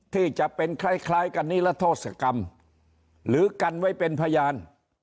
ที่จะเป็นคล้ายกันนิรโทษกรรมหรือกันไว้เป็นพยาน